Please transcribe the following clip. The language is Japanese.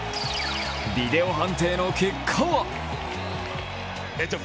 ビデオ判定の結果は？